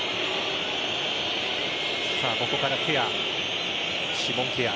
ここからケア。